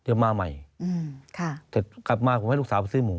เดี๋ยวมาใหม่เสร็จกลับมาผมก็ให้ลูกสาวไปซื้อหมู